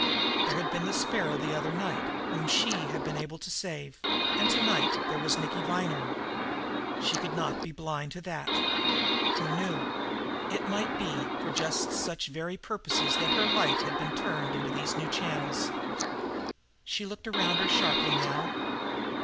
There had been the Sparrow the other night whom she had been able to save, and to night there was Nicky Viner. She could not be blind to that. Who knew! It might be for just such very purposes that her life had been turned into these new channels! She looked around her sharply now.